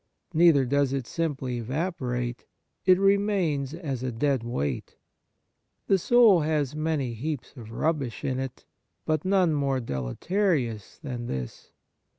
Neither does it simply evaporate ; it remains as a dead weight. The soul has many heaps of rubbish in it, but none more deleterious than this.